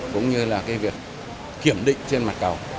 cũng như là cái việc kiểm định trên mặt cầu